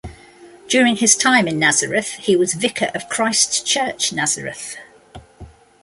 During his time in Nazareth he was vicar of Christ Church, Nazareth.